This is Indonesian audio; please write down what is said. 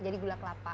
jadi gula kelapa